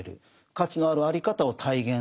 価値のあるあり方を体現する。